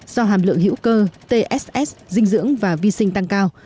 do hàm lượng hữu cơ tss dinh dưỡng và vi sinh tăng cao